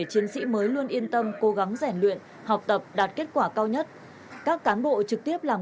chiến sĩ mới luôn yên tâm cố gắng rèn luyện học tập đạt kết quả cao nhất các cán bộ trực tiếp làm